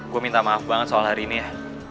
gue minta maaf banget soal hari ini ya